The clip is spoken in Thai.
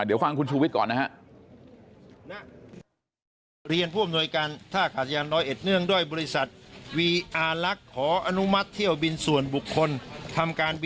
เดี๋ยวฟังคุณชูวิทย์ก่อนนะฮะ